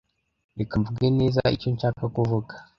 Reka mvuge neza icyo nshaka kuvuga.